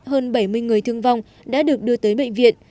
hơn bảy mươi người thương vong đã được đưa tới bệnh viện